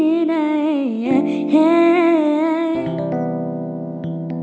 แกนี่คุณไม่ได้ถูกคิด